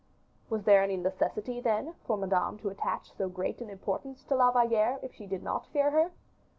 Was there any necessity, then, for Madame to attach so great an importance to La Valliere, if she did not fear her?